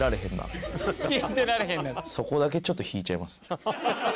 そこだけちょっと引いちゃいますね。